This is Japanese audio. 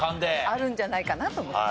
あるんじゃないかなと思って。